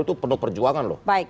itu penuh perjuangan